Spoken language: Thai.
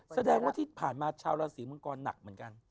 แสดงว่าที่ผ่านมาชาวราศีมังกรหนักเหมือนกัน